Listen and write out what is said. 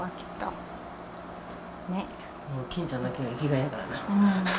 もう健ちゃんだけが生きがいやからな。